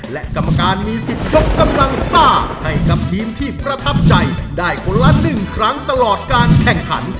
และกรรมการมีสิทธิ์ยกกำลังซ่าให้กับทีมที่ประทับใจได้คนละ๑ครั้งตลอดการแข่งขัน